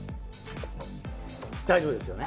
大丈夫ですよね。